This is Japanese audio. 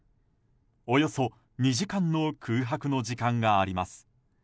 およそ２時間の空白の時間があります。